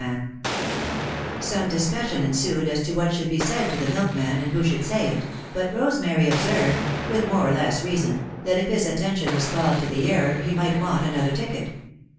[Sidenote: At the Close of the Day] Some discussion ensued as to what should be said to the milkman and who should say it, but Rosemary observed, with more or less reason, that if his attention was called to the error, he might want another ticket.